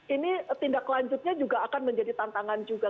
ini tindak lanjutnya juga akan menjadi tantangan juga